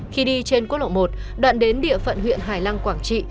khi đi trên quốc lộ một đoạn đến địa phận huyện hải lăng quảng trị